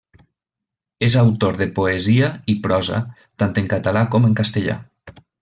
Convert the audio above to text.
És autor de poesia i prosa tant en català com en castellà.